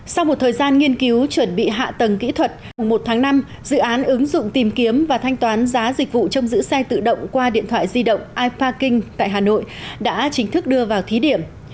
sau một thời gian nghiên cứu chuẩn bị hạ tầng kỹ thuật một tháng năm dự án ứng dụng tìm kiếm và thanh toán giá dịch vụ trong giữ xe tự động qua điện thoại di động iparking tại hà nội đã chính thức đưa vào thí điểm